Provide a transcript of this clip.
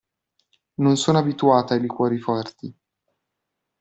Non sono abituata ai liquori forti.